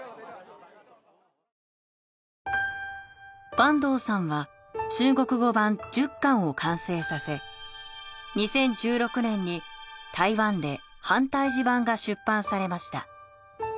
坂東さんは中国語版１０巻を完成させ２０１６年に台湾で繁体字版が出版されました。